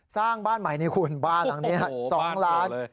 สร้างบ้านใหม่นี่คุณบ้านหลังนี้๒ล้าน